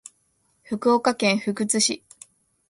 福岡県福津市